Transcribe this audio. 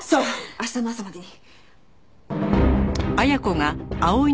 明日の朝までに。